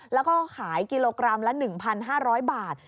แล้วก็ขายกิโลกรัมละ๑๕๐๐บาท